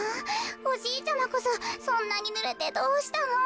おじいちゃまこそそんなにぬれてどうしたの？